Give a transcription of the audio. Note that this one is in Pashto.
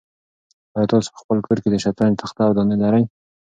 آیا تاسو په خپل کور کې د شطرنج تخته او دانې لرئ؟